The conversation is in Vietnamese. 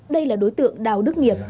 đây là đối tượng đào đức nghiệp